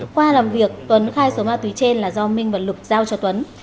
qua làm việc tuấn khai số ma túy trên là do minh và lục giao cho tuấn